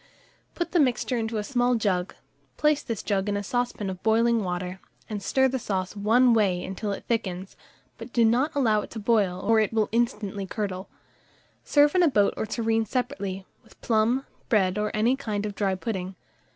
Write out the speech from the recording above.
Put the mixture into a small jug, place this jug in a saucepan of boiling water, and stir the sauce one way until it thickens; but do not allow it to boil, or it will instantly curdle. Serve in a boat or tureen separately, with plum, bread, or any kind of dry pudding.